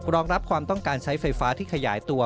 รองรับความต้องการใช้ไฟฟ้าที่ขยายตัว